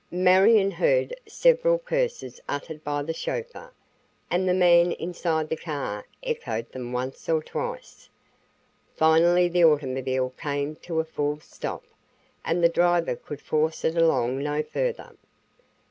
Marion heard several curses uttered by the chauffeur, and the man inside the car echoed them once or twice. Finally the automobile came to a full stop and the driver could force it along no further.